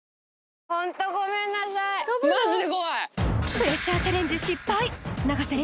プレッシャーチャレンジ失敗永瀬廉